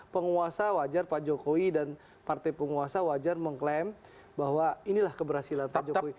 penguasa wajar pak jokowi dan partai penguasa wajar mengklaim bahwa inilah keberhasilan pak jokowi